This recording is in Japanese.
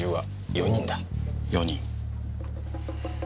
４人。